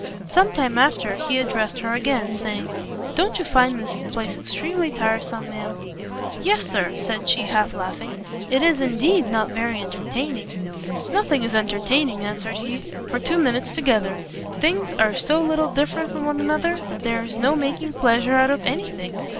Sometime after he addressed her again, saying, "Don't you find this place extremely tiresome, ma'am?" "Yes, Sir," said she, half laughing, "it is, indeed, not very entertaining!" "Nothing is entertaining," answered he, "for two minutes together. Things are so little different one from another, that there is no making pleasure out of any thing.